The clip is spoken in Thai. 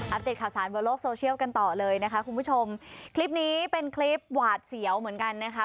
ติดข่าวสารบนโลกโซเชียลกันต่อเลยนะคะคุณผู้ชมคลิปนี้เป็นคลิปหวาดเสียวเหมือนกันนะคะ